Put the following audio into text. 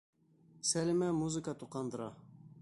Сәлимә музыка тоҡандыра.